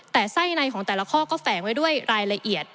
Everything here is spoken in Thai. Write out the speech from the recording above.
แต่ไส้ในของแต่ละข้อก็แฝงไว้ด้วยรายละเอียด